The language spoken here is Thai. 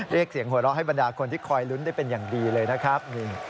เรียกเสียงหัวเราะให้บรรดาคนที่คอยลุ้นได้เป็นอย่างดีเลยนะครับ